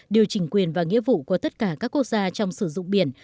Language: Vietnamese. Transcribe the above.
điều chỉnh quyền và nghĩa vụ của tất cả các quốc gia trong sử dụng biển